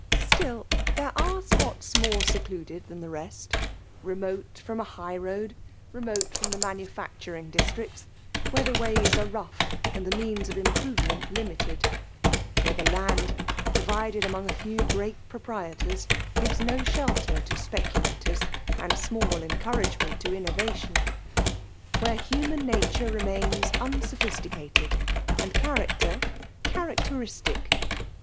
Still there are spots more secluded that! the rest — remote from a high road, remote ' fiMte the manufacturing districts — where the' ways are rough and the means of imj^ovemeht liniited ; where the land, divided among a few gteat proprietors, gives no shelter to dpecula tot'Sy and small encouragement' to ifanovatioii ;' vAiWe human' nature remains unsophisticated^ and character, characteristic.